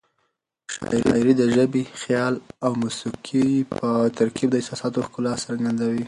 شاعري د ژبې، خیال او موسيقۍ په ترکیب د احساساتو ښکلا څرګندوي.